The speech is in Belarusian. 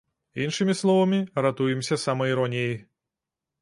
Іншымі словамі, ратуемся самаіроніяй!